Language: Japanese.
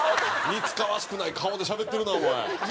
似つかわしくない顔でしゃべってるなお前。